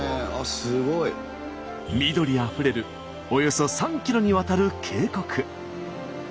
すごい！緑あふれるおよそ３ｋｍにわたる渓谷。